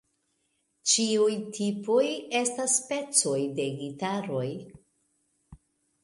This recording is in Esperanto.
Ĉiuj tipoj estas specoj de gitaroj.